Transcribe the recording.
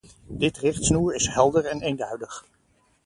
Dit richtsnoer is helder en eenduidig.